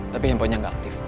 tapi handphonenya gak aktif